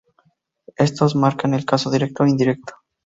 Estos marcan el caso directo e indirecto.